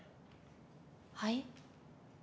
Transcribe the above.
はい？